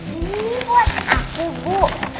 ini buat aku bu